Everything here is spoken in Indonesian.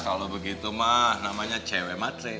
kalau begitu mah namanya cewe matre